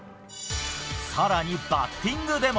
更に、バッティングでも。